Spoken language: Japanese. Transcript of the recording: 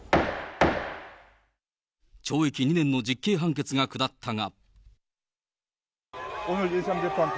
懲役２年の実刑判決が下ったが。